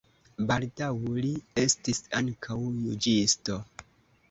Baldaŭ li estis ankaŭ juĝisto.